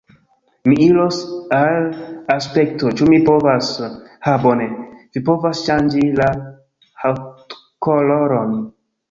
Mi iros al Aspekto. Ĉu mi povas... ha bone! Vi povas ŝanĝi la haŭtkoloron.